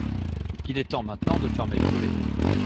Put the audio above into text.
Il est temps maintenant de fermer les volets.